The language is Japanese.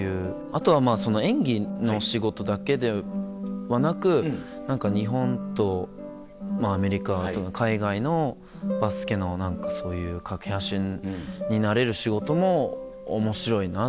あとは演技のお仕事だけではなく何か日本とアメリカとの海外のバスケの何かそういう架け橋になれる仕事も面白いな。